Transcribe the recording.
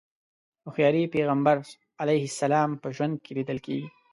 هوښياري پيغمبر علیه السلام په ژوند کې ليدل کېږي.